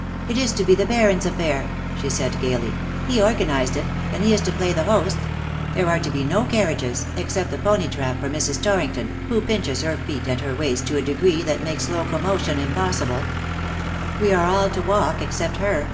" It is to be the Baron^s aff'air/^ she said^ gaily. " He organized it; and he is to play the host. There are to be no carriages — except the pony trap for Mrs. Torrington^ who pinches her feet and her waist to a degree that makes locomotion impossible. We are all to walk except her.